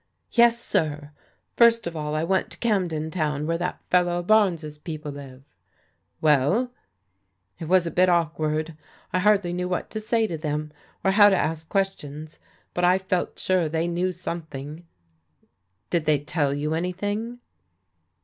"Yes, sir. First of all I went to Camden Town, where that fellow Barnes' people live." , 118 PRODIGAL DAUGHTEES "Well?" " It was a bit awkward. I hardly knew what to say to them, or how to ask questions. But I felt sure they knew something." " Did they tell you anything?"